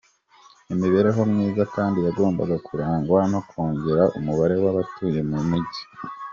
Imibereho myiza kandi yagombaga kurangwa no kongera umubare w’abatuye mu mijyi.